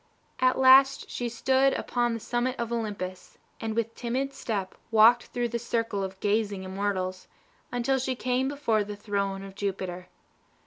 At last she stood upon the summit of Olympus, and with timid step walked through the circle of gazing immortals, until she came before the throne of Jupiter.